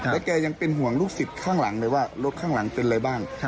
แล้วแกยังเป็นห่วงลูกศิษย์ข้างหลังเลยว่ารถข้างหลังเป็นอะไรบ้าง